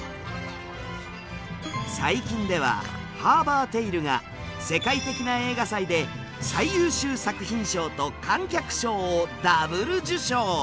最近では「ハーバーテイル」が世界的な映画祭で最優秀作品賞と観客賞をＷ受賞。